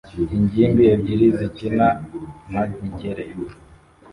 ingimbi ebyiri zikina ntangere